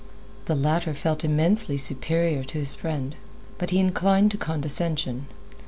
The latter felt immensely superior to his friend, but he inclined to condescension.